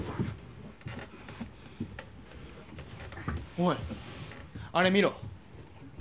おいあれ見ろ。